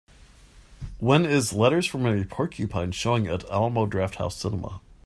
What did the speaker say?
when is Letters from a Porcupine showing at Alamo Drafthouse Cinema